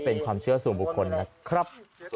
เป็นความเชื่อส่วนบุคคลนะครับ